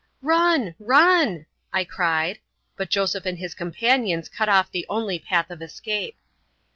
"Run, run!" I cried; but Joseph and his companions cut off the only path of escape.